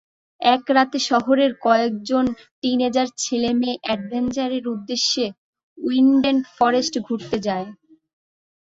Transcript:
এক রাতে শহরের কয়েকজন টিনেজার ছেলেমেয়ে এডভেঞ্চারের উদ্দেশ্যে উইন্ডেন ফরেস্টে ঘুরতে যায়।